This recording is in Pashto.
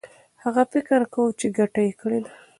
هغه فکر کاوه چي ګټه یې کړې ده.